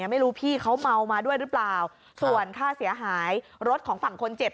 ไม่รู้พี่เขาเมามาด้วยหรือเปล่าส่วนค่าเสียหายรถของฝั่งคนเจ็บ